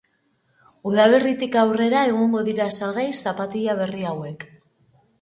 Udaberritik aurrera egongo dira salgai zapatila berri hauek.